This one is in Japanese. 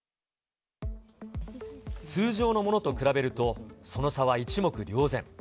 通常のものと比べると、その差は一目瞭然。